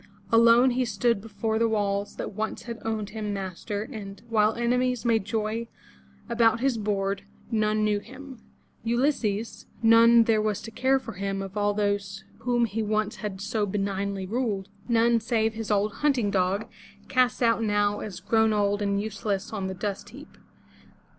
Alone, he stood before the walls that once had owned him master, and, while enemies made joy about his board, none knew him, Ulysses; none there was to care for him, of all those over whom he once had so benignly ruled, none, save his old hunting dog, cast out now as grown old and useless on the dust heap.